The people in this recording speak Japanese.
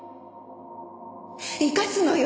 生かすのよ